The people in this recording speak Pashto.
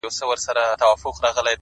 نه؛ مزل سخت نه و آسانه و له هري چاري